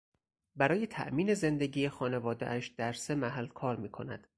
برای تامین زندگی خانوادهاش درسه محل کار میکند.